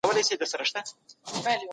د بل په لمسون خپل هېواد مه ورانوئ.